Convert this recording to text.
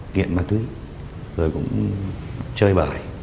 nghiện ma túy rồi cũng chơi bài